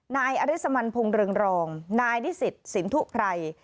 นายอริสมันพงศ์เรืองรองนายนิสิตสินทุไพร